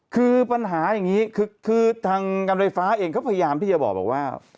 คือปัญหาอย่างนี้คือทางการไฟฟ้าเองเขาพยายามที่จะบอกว่า